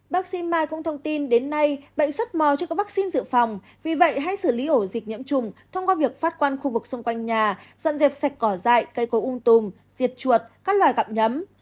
bác sĩ mai cũng thông tin đến nay bệnh xuất mò chưa có vaccine dự phòng vì vậy hãy xử lý ổ dịch nhiễm trùng thông qua việc phát quan khu vực xung quanh nhà dọn dẹp sạch cỏ dại cây cối ung tùm diệt chuột các loài gặm nhấm